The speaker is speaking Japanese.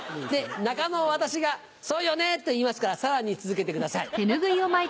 仲間の私が「そうよね」と言いますからさらに続けてください。